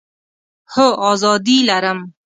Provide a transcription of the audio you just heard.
هو، آزادي لرم